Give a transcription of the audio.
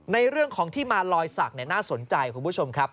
ในเรื่องของที่มาลอยศักดิ์น่าสนใจคุณผู้ชมครับ